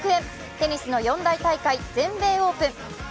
テニスの四大大会全米オープン。